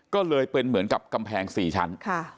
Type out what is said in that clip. ก็เลยเป็นเหมือนกับกำแพง๔ชั้น